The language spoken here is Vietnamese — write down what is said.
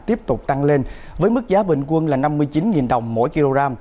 tiếp tục tăng lên với mức giá bình quân là năm mươi chín đồng mỗi kg